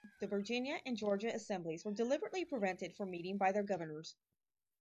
The Virginia and Georgia assemblies were deliberately prevented from meeting by their governors.